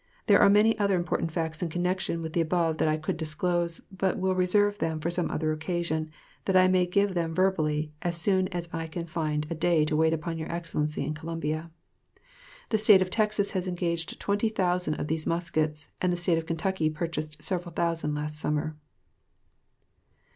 There are many other important facts in connection with the above that I could disclose, but will reserve them for some other occasion, that I may give them verbally as soon as I can find a day to wait upon your Excellency in Columbia. The State of Texas has engaged twenty thousand (20,000) of these muskets, and the State of Kentucky purchased several thousand last summer.